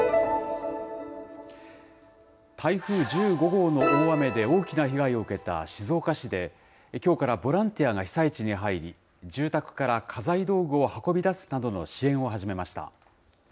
台風１５号の大雨で大きな被害を受けた静岡市で、きょうからボランティアが被災地に入り、住宅から家財道具を運び出すなどの支援を始めました。